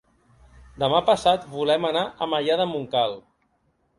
Demà passat volem anar a Maià de Montcal.